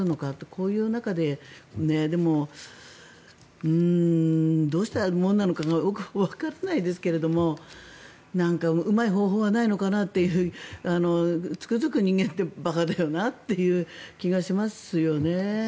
こういう中ででも、どうしたものなのかがよくわからないですけど何かうまい方法はないのかなとつくづく人間って馬鹿だよなという気がしますよね。